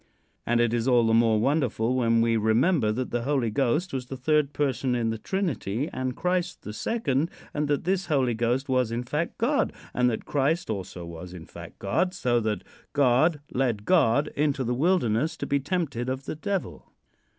And it is all the more wonderful when we remember that the Holy Ghost was the third person in the Trinity and Christ the second, and that this Holy Ghost was, in fact, God, and that Christ also was, in fact, God, so that God led God into the wilderness to be tempted of the Devil.